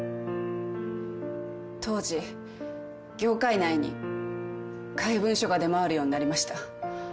当時業界内に怪文書が出回るようになりました。